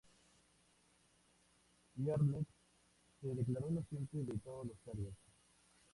Earnest se declaró inocente de todos los cargos.